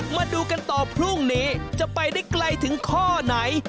มาดูกันต่อพรุ่งนี้จะไปได้ไกลถึงข้อไหน